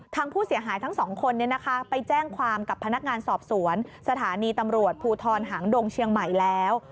ทางผู้เสียหายทั้งสองคนไปแจ้งความกับพนักงานสอบสวนสถานีตำรวจภูทรหางดงเชียงใหม่แล้ว